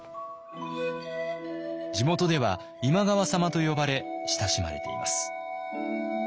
地元では「今川様」と呼ばれ親しまれています。